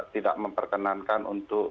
tidak memperkenankan untuk